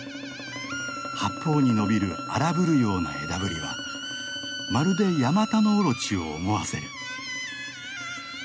八方に伸びる荒ぶるような枝ぶりはまるでヤマタノオロチを思わせる。